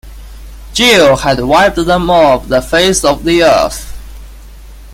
Gill had wiped them off the face of the earth.